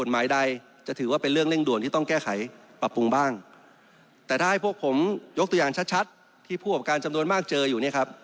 และถ้าพวกผมยกตัวอย่างชัดที่ผู้ออกการจำนวนมากเจออยู่